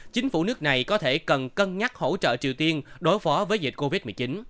chính phủ nước này có thể cần cân nhắc hỗ trợ triều tiên đối phó với dịch covid một mươi chín